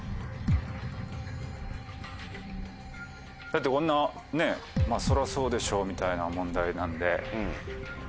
だってこんなそらそうでしょうみたいな問題なんで。